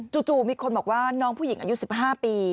จู่มีคนบอกว่าน้องผู้หญิงอายุ๑๕ปี